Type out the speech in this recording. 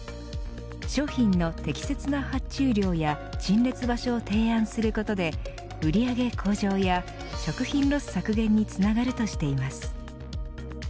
商品の適切な発注量や陳列場所を提案することで売上向上や食品ロス削減につながるとしています。